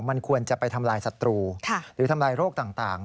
มันควรจะไปทำลายศัตรูหรือทำลายโรคต่าง